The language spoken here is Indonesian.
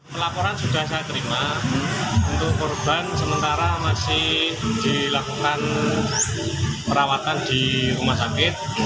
pelaporan sudah saya terima untuk korban sementara masih dilakukan perawatan di rumah sakit